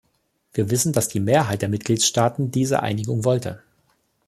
Wir wissen, dass die Mehrheit der Mitgliedstaaten diese Einigung wollte.